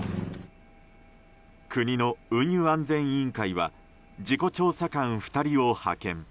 国の運輸安全委員会は事故調査官２人を派遣。